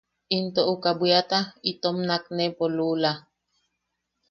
Into uka bwiata itom naknepo lula.